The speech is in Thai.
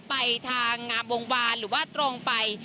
ไปทางงามวงวานหรือว่าตรงไป